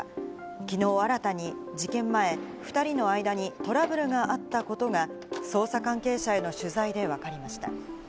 きのう新たに事件前、２人の間にトラブルがあったことが捜査関係者への取材でわかりました。